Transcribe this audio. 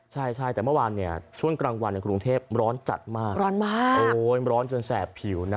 ใช่ใช่แต่เมื่อวานเนี่ยช่วงกลางวันในกรุงเทพร้อนจัดมากร้อนมากโอ้ยร้อนจนแสบผิวนะ